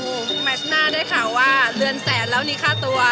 โอ้โหแมชน่าได้ข่าวว่าเรือนแสนแล้วมีค่าตัว